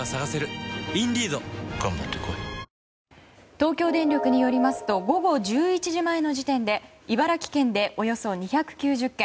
東京電力によりますと午後１１時前の時点で茨城県でおよそ２９０軒